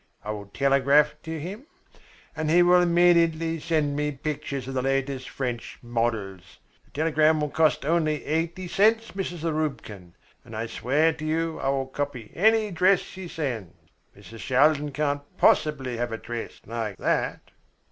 I will telegraph to him, and he will immediately send me pictures of the latest French models. The telegram will cost only eighty cents, Mrs. Zarubkin, and I swear to you I will copy any dress he sends. Mrs. Shaldin can't possibly have a dress like that."